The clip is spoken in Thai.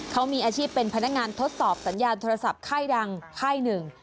เขามีอาชีพเป็นพนักงานทดสอบสัญญาณโทรศัพท์ค่ายดังค่ายหนึ่ง